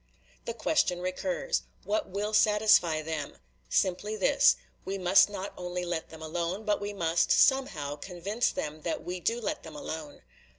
The question recurs. What will satisfy them? Simply this: We must not only let them alone, but we must, somehow, convince them that we do let them alone.